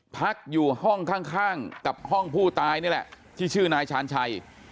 พักอยู่ห้องข้างกับห้องผู้ตายนี่แหละที่ชื่อนายชาญชัย